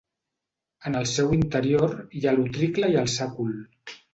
En el seu interior hi ha l'utricle i el sàcul.